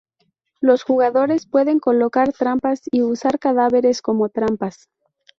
Los jugadores pueden colocar trampas y usar cadáveres como trampas.